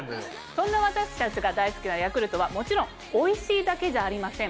そんな私たちが大好きなヤクルトはもちろんおいしいだけじゃありません。